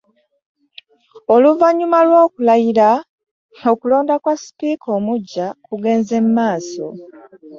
Oluvannyuma lw’okulayira, okulonda kwa sipiika omupya kugenze maaso